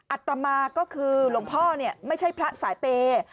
อัตมาก็คือหลวงพ่อไม่ใช่พระสายเปย์